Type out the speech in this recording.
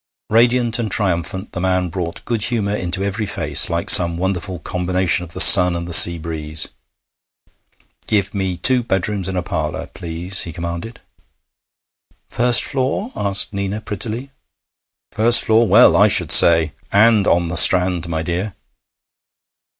Radiant and triumphant, the man brought good humour into every face, like some wonderful combination of the sun and the sea breeze. 'Give me two bedrooms and a parlour, please,' he commanded. 'First floor?' asked Nina prettily. 'First floor! Well I should say! And on the Strand, my dear.'